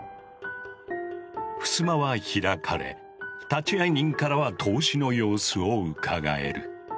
ふすまは開かれ立会人からは透視の様子をうかがえる。